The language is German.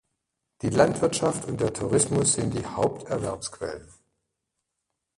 Die Landwirtschaft und der Tourismus sind die Haupterwerbsquellen.